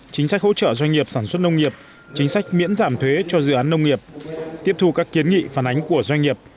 chính sách hỗ trợ doanh nghiệp sản xuất nông nghiệp chính sách miễn giảm thuế cho dự án nông nghiệp tiếp thu các kiến nghị phản ánh của doanh nghiệp